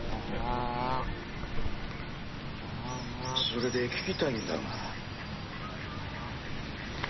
・それで聞きたいんだが。